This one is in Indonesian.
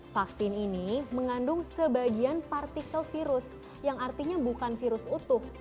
vaksin ini mengandung sebagian partikel virus yang artinya bukan virus utuh